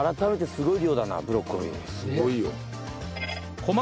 すごいよ。